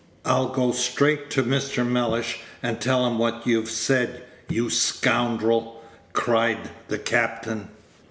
"I'll go straight to Mr. Mellish, and tell him what you've said, you scoundrel!" cried the captain.